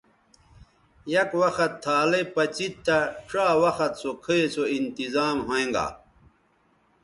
یک وخت تھالئ پڅید تہ ڇا وخت سو کھئ سو انتظام ھویں گا